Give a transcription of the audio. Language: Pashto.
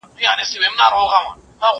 زه له سهاره درسونه لوستل کوم.